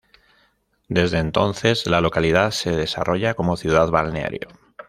Desde entonces la localidad se desarrolla como ciudad balneario.